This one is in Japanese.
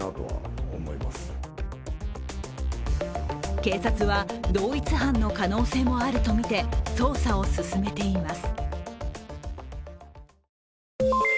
警察は同一犯の可能性もあるとみて捜査を進めています。